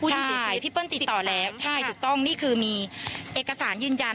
พี่เปิ้ลติดต่อแล้วใช่ถูกต้องนี่คือมีเอกสารยืนยัน